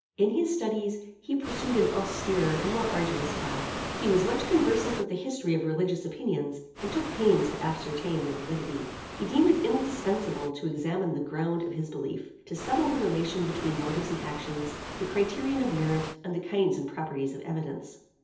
In his studies, he pursued an austerer and more arduous path. He was much conversant with the history of religious opinions, and took pains to ascertain their validity. He deemed it indispensable to examine the ground of his belief, to settle the relation between motives and actions, the criterion of merit, and the kinds and properties of evidence.